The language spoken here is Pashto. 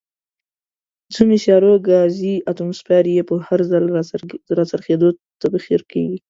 ځینو سیارو ګازي اتموسفیر یې په هر ځل راڅرخېدو، تبخیر کیږي.